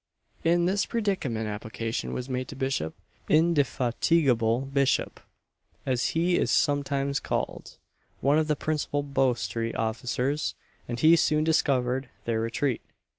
In this predicament application was made to Bishop "Indefatigable Bishop," as he is sometimes called one of the principal Bow street officers, and he soon discovered their retreat.